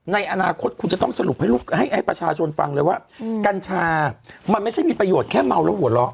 ในอนาคตคุณจะต้องสรุปให้ประชาชนฟังเลยว่ากัญชามันไม่ใช่มีประโยชน์แค่เมาแล้วหัวเราะ